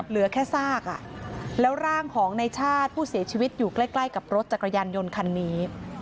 เหลือแค่ซากแล้วร่างของในชาติผู้เสียชีวิตอยู่ใกล้กับรถจักรยานยนต์คันนี้